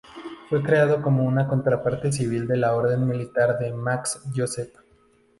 Fue creado como una contraparte civil de la Orden Militar de Max Joseph.